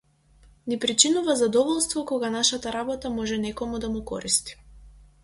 Ни причинува задоволство кога нашата работа може некому да му користи.